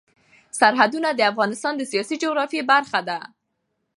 سرحدونه د افغانستان د سیاسي جغرافیه برخه ده.